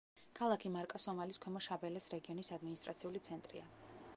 ქალაქი მარკა სომალის ქვემო შაბელეს რეგიონის ადმინისტრაციული ცენტრია.